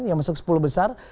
yang masuk sepuluh besar